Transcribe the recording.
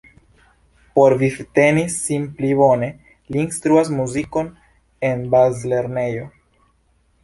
Por vivteni sin pli bone, li instruas muzikon en bazlernejo.